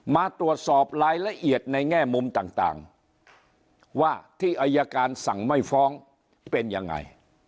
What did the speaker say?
มาตรวจสอบรายละเอียดในแง่มุมต่างว่าที่อายการสั่งไม่ฟ้องเป็นยังไง